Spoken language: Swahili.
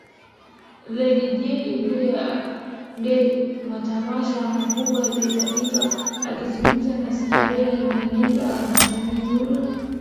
Lady Jay Dee Matamasha makubwa aliyofanya Akizungumza na Starehe meneja wa msanii huyo Gadna